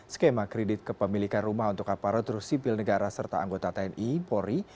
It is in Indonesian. skema kredit kepemilikan rumah untuk aparatur sipil negara serta anggota tni polri